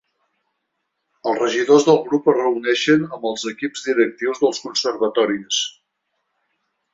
Els regidors del grup es reuneixen amb els equips directius dels conservatoris.